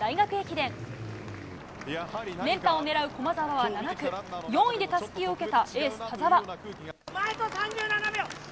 連覇を狙う駒澤は７区４位でたすきを受けたエース、田澤。